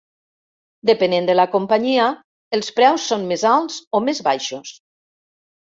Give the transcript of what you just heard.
Depenent de la companyia els preus són més alts o més baixos.